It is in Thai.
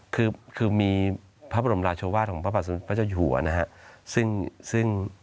คือคือมีพระบรมราชวาสของพระบาทสมเด็จพระเจ้าอยู่หัวนะฮะซึ่งซึ่ง